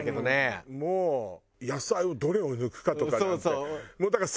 もう野菜をどれを抜くかとかなんて。